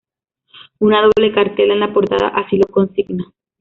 Una doble cartela en la portada así lo consigna.